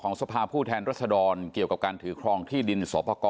สภาพผู้แทนรัศดรเกี่ยวกับการถือครองที่ดินสอปกร